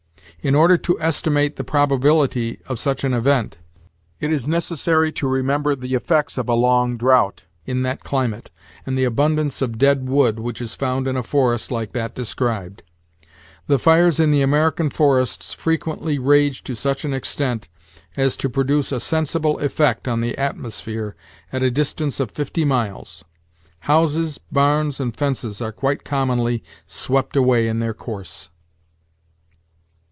In order to estimate the probability of such an event, it is necessary to remember the effects of a long drought in that climate and the abundance of dead wood which is found in a forest like that described, The fires in the American forests frequently rage to such an extent as to produce a sensible effect on the atmosphere at a distance of fifty miles. Houses, barns, and fences are quite commonly swept away in their course.